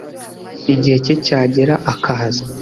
Igihe cye cyagera akaza